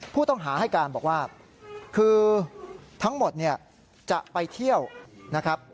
ผู้ต้องหาให้การบอกว่าคือทั้งหมดเนี่ยจะไปเที่ยวนะครับ